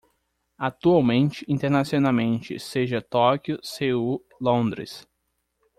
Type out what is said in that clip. Atualmente internacionalmente, seja Tóquio, Seul, Londres